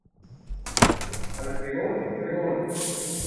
Al pregón, pregón!